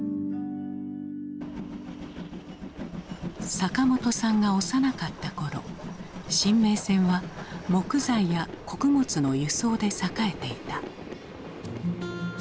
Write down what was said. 坂本さんが幼かった頃深名線は木材や穀物の輸送で栄えていた。